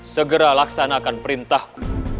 segera laksanakan perintahku